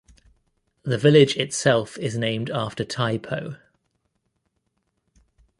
The village itself is named after Tai Po.